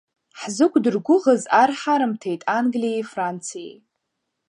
Ҳзықәдыргәыӷыз ар ҳарымҭеит Англиеи Франциеи.